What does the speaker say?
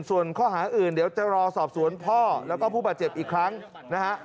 ส่วนข้อหาอื่นเดี๋ยวจะรอสอบสวนพ่อแล้วก็ผู้บาดเจ็บอีกครั้งนะฮะ